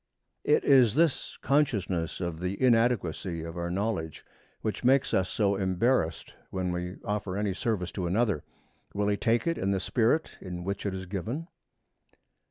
It is this consciousness of the inadequacy of our knowledge which makes us so embarrassed when we offer any service to another. Will he take it in the spirit in which it is given?